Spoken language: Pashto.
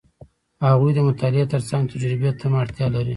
هغوی د مطالعې ترڅنګ تجربې ته هم اړتیا لري.